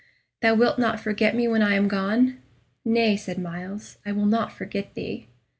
"Thou wilt not forget me when I am gone?" "Nay," said Myles; "I will not forget thee."